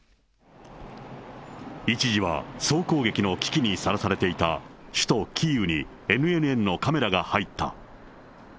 一時は総攻撃の危機にさらされていた首都キーウに、ＮＮＮのカメラが入った。